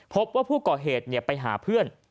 พบว่าผู้ก่อเหตุไปหาเพื่อน